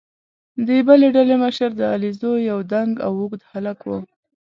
د بلې ډلې مشر د علیزو یو دنګ او اوږد هلک وو.